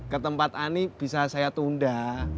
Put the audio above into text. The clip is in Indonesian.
ke tempat ani bisa saya tunda